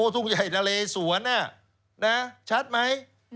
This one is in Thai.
ทุ่งใหญ่นะเลสวนชัดไหม